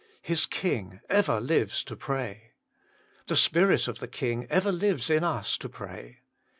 His King ever lives to pray. The Spirit of the King ever lives in us to pray.